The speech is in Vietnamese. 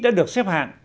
đã được xếp hạng